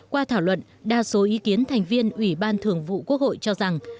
qua thảo luận đa số ý kiến thành viên ủy ban thường vụ quốc hội cho rằng